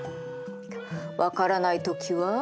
分からない時は？